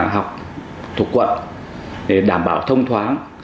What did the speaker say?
học thuộc quận để đảm bảo thông thoáng